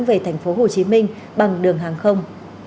về tp hồ chí minh bằng đường hàng không